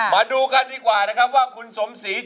มาดูกันดีกว่านะครับว่าคุณสมศรี